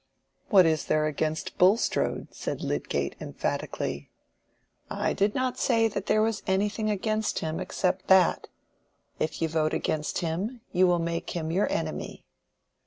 "What is there against Bulstrode?" said Lydgate, emphatically. "I did not say there was anything against him except that. If you vote against him you will make him your enemy."